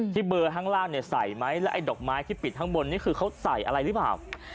ที่เบลอข้างลางใส่ไหมแล้วไอ้ดอกไม้ที่ปิดข้างบนนี่คือเขาใส่อะไรรึเปล่า